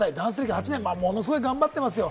ものすごい頑張ってますよ。